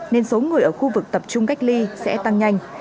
nên số người ở khu vực tập trung cách ly sẽ tăng nhanh